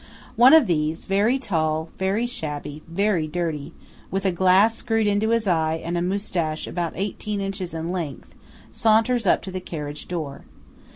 One of these, very tall, very shabby, very dirty, with a glass screwed into his eye and a moustache about eighteen inches in length, saunters up to the carriage door.